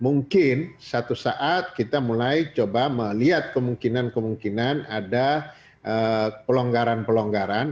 mungkin satu saat kita mulai coba melihat kemungkinan kemungkinan ada pelonggaran pelonggaran